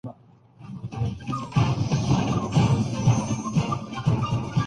ہمارے ان حکمرانوں کے پیمانۂ صداقت۔